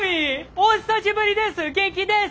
お久しぶりです！